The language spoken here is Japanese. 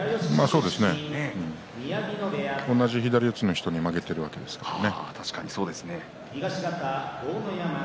そうですね同じ左四つの人に負けているわけですからね。